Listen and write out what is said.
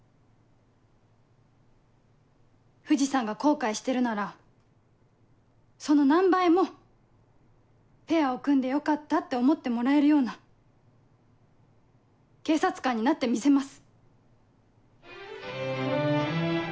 藤さんが後悔してるならその何倍もペアを組んでよかったって思ってもらえるような警察官になってみせます。